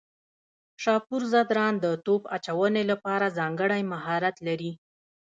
شاپور ځدراڼ د توپ اچونې لپاره ځانګړی مهارت لري.